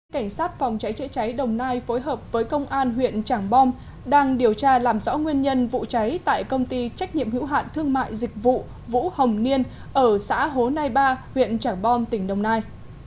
cảnh sát phòng cháy chữa cháy đồng nai phối hợp với công an huyện trảng bom đang điều tra làm rõ nguyên nhân vụ cháy tại công ty trách nhiệm hữu hạn thương mại dịch vụ vũ hồng niên ở xã hố nai ba huyện trảng bom tỉnh đồng nai